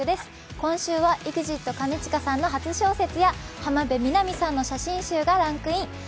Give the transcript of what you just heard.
今週はＥＸＩＴ兼近さんの初小説や浜辺美波さんの写真集がランクイン。